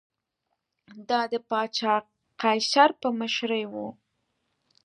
دا د پاچا قیصر په مشرۍ و